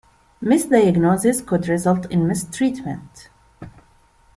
Misdiagnoses could result in mistreatment.